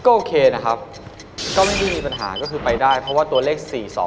ก็โอเคนะครับก็ไม่ได้มีปัญหาก็คือไปได้เพราะว่าตัวเลข๔๒